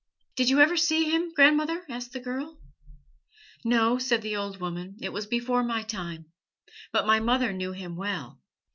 "Did you ever see him, grandmother?" asked the girl. "No," said the old woman, "it was before my time; but my mother knew him well.